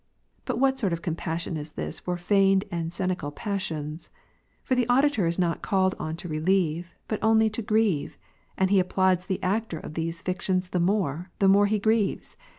But what sort of compassion is this for feignedand scenical passions ? forthe auditor is not called on to relieve, but only to grieve : and he applauds the actor of these fictions the more, the more he grieves.